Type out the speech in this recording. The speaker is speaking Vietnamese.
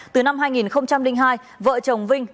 từ năm hai nghìn hai vợ chồng vinh